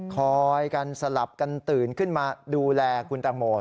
คอยกันสลับกันตื่นขึ้นมาดูแลคุณตังโม